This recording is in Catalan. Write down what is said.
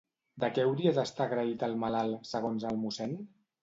De què hauria d'estar agraït el malalt, segons el mossèn?